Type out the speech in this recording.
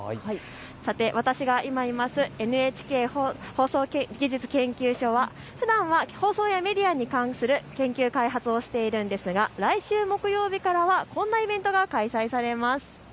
さて、私が今いるＮＨＫ放送技術研究所はふだんは放送やメディアに関する研究開発をしているんですが来週木曜日からはこんなイベントが開催されます。